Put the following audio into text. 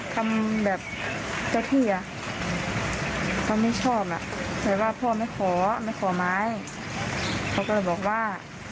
เขาก็เลยบอกว่า